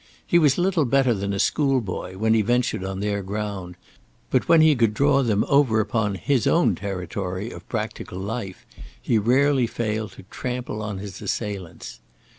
He was little better than a schoolboy, when he ventured on their ground, but when he could draw them over upon his own territory of practical life he rarely failed to trample on his assailants.